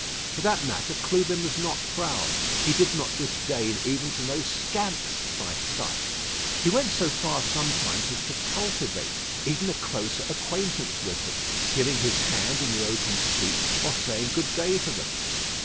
For that matter Clubin was not proud. He did not disdain even to know scamps by sight. He went so far sometimes as to cultivate even a closer acquaintance with them; giving his hand in the open street, or saying good day to them.